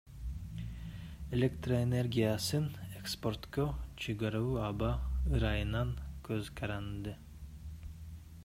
Электроэнергиясын экспортко чыгаруу аба ырайынан көзкаранды.